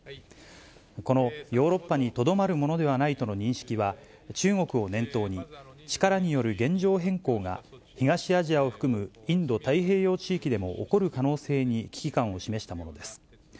このヨーロッパにとどまるものではないとの認識は、中国を念頭に、力による現状変更が東アジアを含むインド太平洋地域でも起こる可能性に危機感を示したものです。